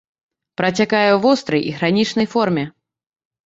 Працякае ў вострай і хранічнай форме.